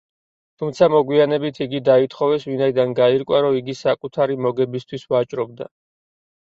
თუმცა, მოგვიანებით იგი დაითხოვეს, ვინაიდან გაირკვა, რომ იგი საკუთარი მოგებისთვის ვაჭრობდა.